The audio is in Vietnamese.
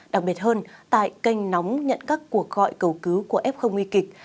đặc biệt hơn tại kênh nóng nhận các cuộc gọi cầu cứu của f nguy kịch